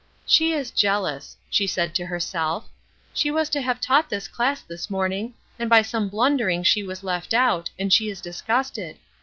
"She is jealous," she said to herself. "She was to have taught this class this morning, and by some blundering she was left out, and she is disgusted.